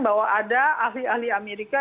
bahwa ada ahli ahli amerika